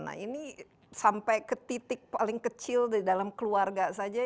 nah ini sampai ke titik paling kecil di dalam keluarga saja